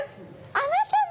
あなたね。